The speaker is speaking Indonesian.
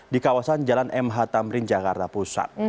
di kawasan jalan mh tamrin jakarta pusat